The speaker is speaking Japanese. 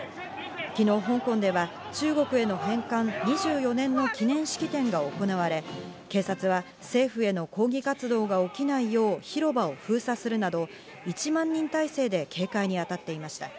昨日、香港では中国への返還２４年の記念式典が行われ、警察は政府への抗議活動が起きないよう広場を封鎖するなど１万人態勢で警戒に当たっていました。